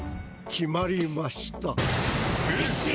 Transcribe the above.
決まりました！